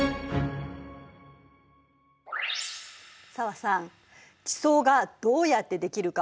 紗和さん地層がどうやってできるか覚えてる？